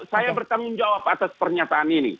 saya bertanggung jawab atas pernyataan ini